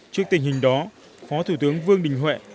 trước tình hình đó phó thủ tướng vương đình huệ